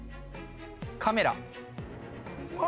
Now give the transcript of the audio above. カメラ。